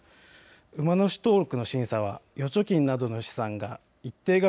馬主登録の審査は預貯金などの資産が一定額